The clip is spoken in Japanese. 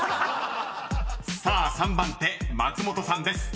［さあ３番手松本さんです］